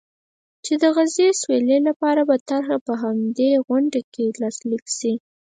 چې د غزې سولې لپاره طرحه به هم په همدې غونډه کې لاسلیک شي.